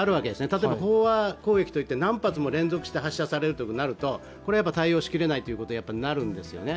例えば飽和攻撃といって何発も連続して攻撃されるとなると対応しきれないとなるんですよね。